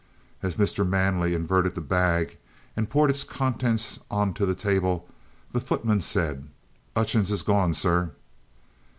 As Mr. Manley inverted the bag and poured its contents on to the table, the footman said: "'Utchings 'as gone, sir."